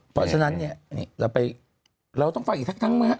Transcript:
เพราะฉะนั้นเราไปเราต้องตั้งตั้งมั้ย